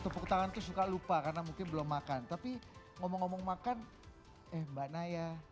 tepuk tangan tuh suka lupa karena mungkin belum makan tapi ngomong ngomong makan eh mbak naya